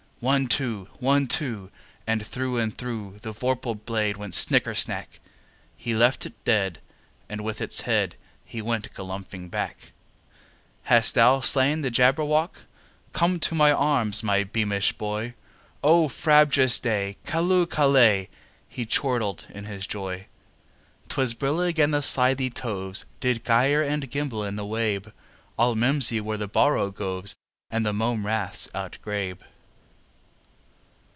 One, two! One, two! And through and through The vorpal blade went snicker snack! He left it dead, and with its head He went galumphing back. "And hast thou slain the Jabberwock? Come to my arms, my beamish boy! O frabjous day! Callooh! Callay!" He chortled in his joy. 'Twas brillig, and the slithy toves Did gyre and gimble in the wabe; All mimsy were the borogoves, And the mome raths outgrabe.